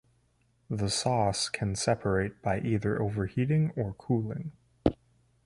The sauce can separate by either overheating or cooling.